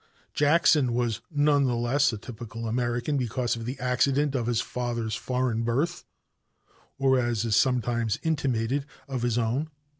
Jackson was none the less a typical American because of the accident of his father's foreign birth, or, as is sometimes intimated, of his own.